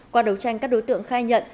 qua đấu tranh các đối tượng khai nhận